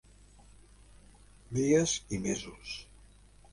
Dies i mesos.